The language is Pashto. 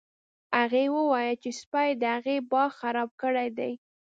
هغې وویل چې سپي د هغې باغ خراب کړی دی